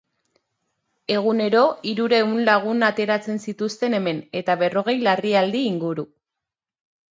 Egunero hirurehun lagun artatzen zituzten hemen, eta berrogei larrialdi inguru.